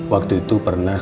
waktu itu pernah